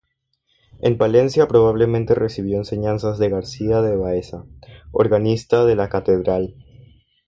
En Palencia probablemente recibió enseñanzas de García de Baeza, organista de la catedral.